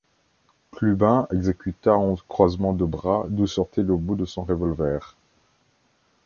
Clubin exécuta un croisement de bras d’où sortait le bout de son revolver.